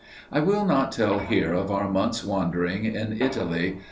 I will not tell here of our month's wanderings in Italy.